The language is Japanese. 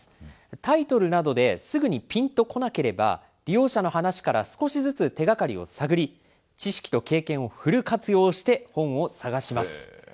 タイトルなどですぐにぴんとこなければ、利用者の話から少しずつ手がかりを探り、知識と経験をフル活用して本を探します。